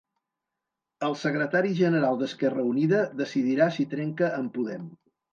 El secretari general d'Esquerra Unida decidirà si trenca amb Podem